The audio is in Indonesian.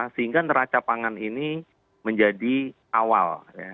sehingga neraca pangan ini menjadi awal